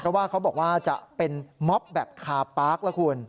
เพราะว่าเขาบอกว่าจะเป็นม็อบแบบคาปาร์คละคุณ